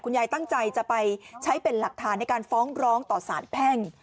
ยายตั้งใจจะไปใช้เป็นหลักฐานในการฟ้องร้องต่อสารแพ่ง